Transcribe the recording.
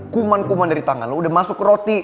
kuman kuman dari tangan lo udah masuk roti